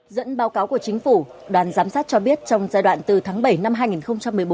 dẫn báo cáo của chính phủ đoàn giám sát cho biết trong giai đoạn từ tháng bảy năm hai nghìn một mươi bốn